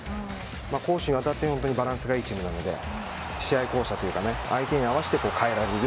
攻守にわたってバランスがいいチームなので試合巧者というか相手に合わせて変えられる。